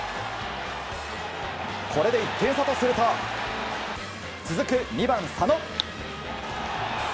これで１点差とすると続く２番、佐野。